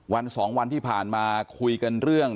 วันสองวันที่ผ่านมาคุยกันเรื่อง